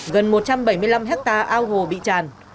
gần một trăm bảy mươi năm hectare ao hồ bị tràn